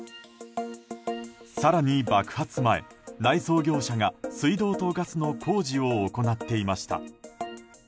更に、爆発前内装業者が水道とガスの工事を行っていました。